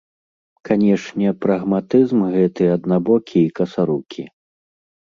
Канешне, прагматызм гэты аднабокі і касарукі.